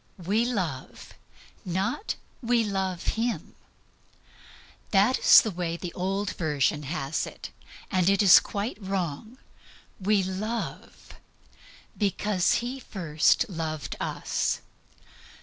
"We love," not "We love Him." That is the way the old version has it, and it is quite wrong. "We love because He first loved us."